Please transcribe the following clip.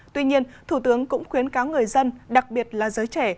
tuy nhiên thủ tướng cũng khuyến cáo người dân đặc biệt là giới trẻ